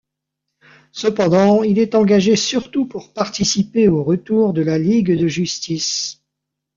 Cependant il est engagé surtout pour participer au retour de la Ligue de Justice.